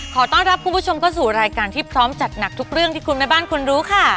ขอต้อนรับคุณผู้ชมเข้าสู่รายการที่พร้อมจัดหนักทุกเรื่องที่คุณแม่บ้านคุณรู้ค่ะ